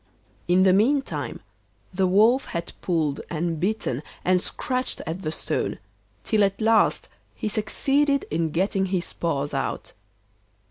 In the meantime the Wolf had pulled and bitten and scratched at the stone, till at last he succeeded in getting his paws out.